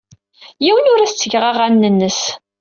Yiwen ur as-ttgeɣ aɣanen-nnes.